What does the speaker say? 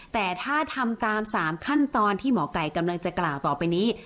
แต่ถ้าทำตาม๓ขั้นตอนที่หมอไก่กำลังจะกล่าวต่อไปนี้